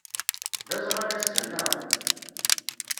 D aẓɣal ass-a, naɣ?